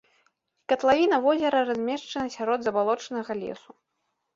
Катлавіна возера размешчана сярод забалочанага лесу.